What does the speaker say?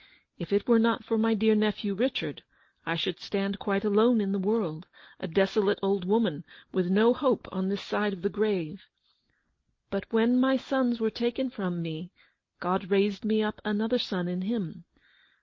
If it were not for my dear nephew, Kichard, I should stand quite alone in the world, a desolate old woman, with no hope on this side of the grave. But when my sons were taken from me, God raised me up another son in him.